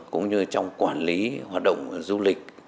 cũng như trong quản lý hoạt động du lịch